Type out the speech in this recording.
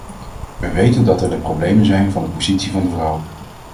We weten dat er de problemen zijn van de positie van de vrouw.